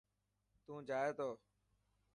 تو جائي تو؟